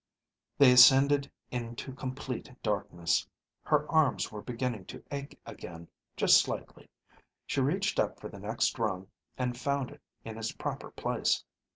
They ascended into complete darkness. Her arms were beginning to ache again, just slightly. She reached up for the next rung, and found it in its proper place.